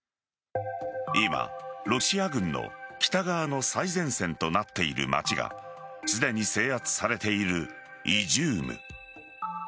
今、ロシア軍の北側の最前線となっている街がすでに制圧されているイジューム。